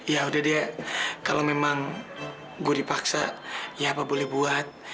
ya udah dia kalau memang gue dipaksa ya apa boleh buat